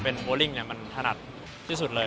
ขอเป็นโฟลิ่งมาทนัดที่สุดเลย